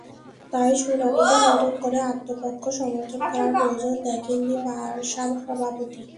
তাই শুনানিতে নতুন করে আত্মপক্ষ সমর্থন করার প্রয়োজন দেখেননি বার্সা সভাপতি।